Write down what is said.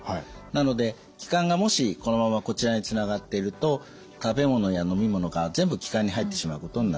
なので気管がもしこのままこちらにつながっていると食べ物や飲み物が全部気管に入ってしまうことになってしまう。